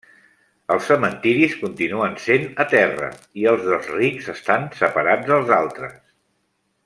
Els cementiris continuen sent a terra, i els dels rics estan separats dels altres.